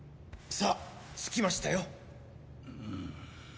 さあつきましたよ。